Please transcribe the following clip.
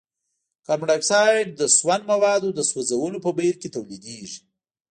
کاربن ډای اکسايډ د سون موادو د سوځولو په بهیر کې تولیدیږي.